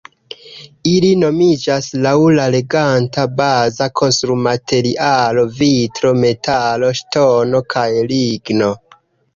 Ili nomiĝas laŭ la reganta baza konstrumaterialo vitro, metalo, ŝtono kaj ligno.